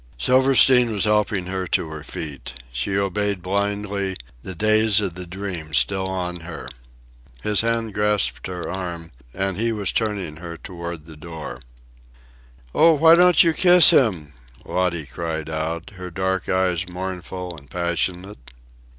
Silverstein was helping her to her feet. She obeyed blindly, the daze of the dream still on her. His hand grasped her arm and he was turning her toward the door. "Oh, why don't you kiss him?" Lottie cried out, her dark eyes mournful and passionate.